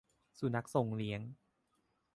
สุนัขทรงเลี้ยง